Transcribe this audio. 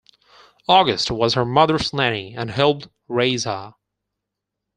August was her mother's nanny, and helped raise her.